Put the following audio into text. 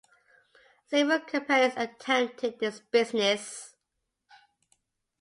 Several companies attempted this business.